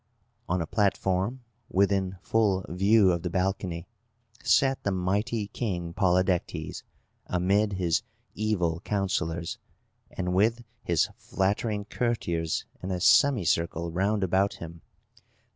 On a platform, within full view of the balcony, sat the mighty King Polydectes, amid his evil counsellors, and with his flattering courtiers in a semi circle round about him.